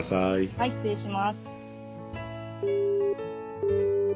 はい失礼します。